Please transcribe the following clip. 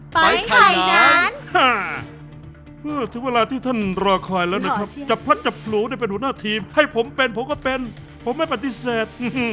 เท่าเวลาที่ท่านรอคอยแล้วนะครับจับพลัดจับหลูได้เป็นหัวหน้าทีมให้ผมเป็นผมก็เป็นผมไม่ปฏิเสธ